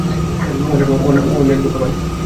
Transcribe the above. অনেক তথ্য, ভাই।